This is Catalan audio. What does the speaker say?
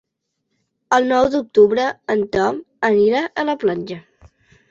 El nou d'octubre en Tom anirà a la platja.